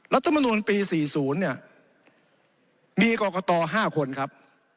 รัฐมนุนปี๔๐เนี่ยมีกรกต๕คนครับ